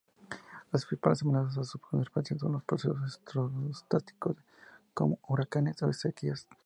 Las principales amenazas a su conservación son los procesos estocásticos, como huracanes o sequías.